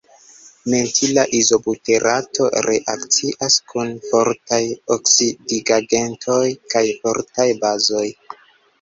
Mentila izobuterato reakcias kun fortaj oksidigagentoj kaj fortaj bazoj.